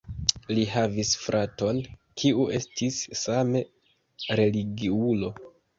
Li havis fraton, kiu estis same religiulo.